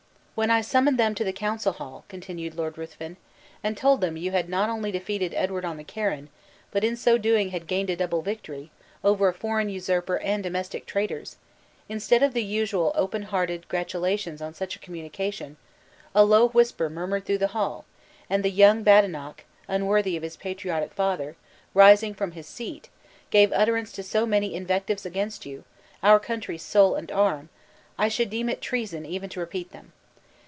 "When I summoned them to the council hall," continued Lord Ruthven, "and told them you had not only defeated Edward on the Carron, but in so doing had gained a double victory, over a foreign usurper and domestic traitors! instead of the usual open hearted gratulations on such a communication, a low whisper murmured through the hall; and the young Badenoch, unworthy of his patriotic father, rising from his seat, gave utterance to so many invectives against you, our country's soul, and arm! I should deem it treason even to repeat them.